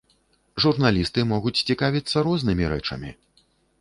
Журналісты могуць цікавіцца рознымі рэчамі.